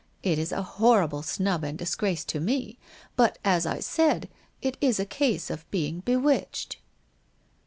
It is a horrible snub and disgrace to me — but, as I said, it is a rase of being bewitched.'